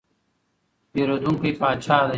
پیرودونکی پاچا دی.